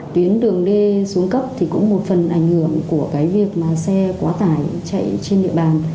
tuyến đường d xuống cấp thì cũng một phần ảnh hưởng của cái việc mà xe quá tải chạy trên địa bàn